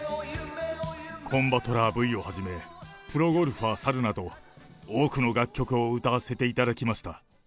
コン・バトラーＶをはじめ、プロゴルファー猿など、多くの楽曲を歌わせていただきました。